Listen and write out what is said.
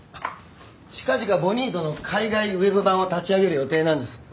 近々『ＢＯＮＩＴＯ』の海外ウェブ版を立ち上げる予定なんです。